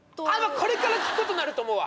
これから聞くことになると思うわ。